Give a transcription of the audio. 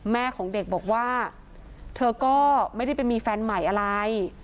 แม่ของเด็กบอกว่าเธอก็ไม่ได้ไปมีแฟนใหม่อะไร